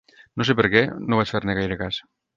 No sé per què, no vaig fer-ne gaire cas.